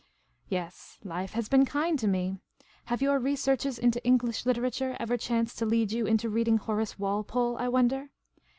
Yes, life has been kind to me. Have your researches into English literature ever chanced to lead you into reading Horace Walpole, I wonder